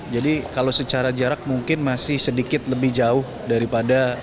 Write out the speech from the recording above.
jadi kalau secara jarak mungkin masih sedikit lebih jauh daripada